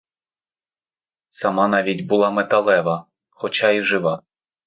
Сама навіть була металева, хоча й жива.